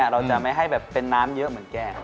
เราจะไม่ให้แบบเป็นน้ำเยอะเหมือนแก้ว